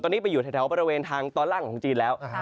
ตอนนี้ไปอยู่แถวบริเวณทางตอนล่างของจีนแล้ว